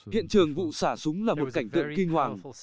hiện trường vụ xả súng là một cảnh tượng kinh hoàng